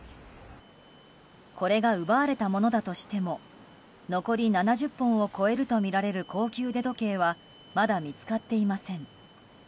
これが奪われたものだとしても残り７０本を超えるとみられる高級腕時計はまだ見つかっていません。